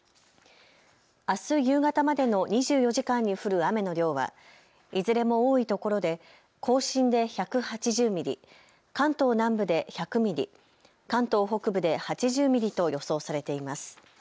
あす夕方までの２４時間に降る雨の量はいずれも多いところで甲信で１８０ミリ、関東南部で１００ミリ、関東北部で８０ミリと予想されています。